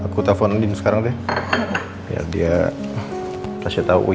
kenapa aku nggak tahu